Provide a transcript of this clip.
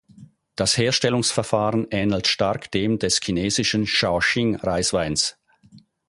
Das Herstellungsverfahren ähnelt stark dem des chinesischen Shaoxing-Reisweins.